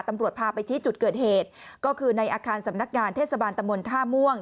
ตำรวจพาไปชี้จุดเกิดเหตุก็คือในอาคารสำนักงานเทศบาลตะมนต์ท่าม่วง